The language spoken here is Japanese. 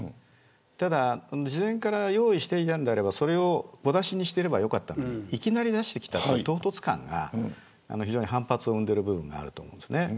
ただ事前から用意していたのであればそれを小出しにしていればよかったのにいきなり出してきたという唐突感が非常に反発を生んでいる部分があるんですよね。